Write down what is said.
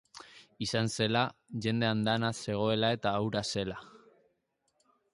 Izan zela, jende andana zegoela eta hura zela.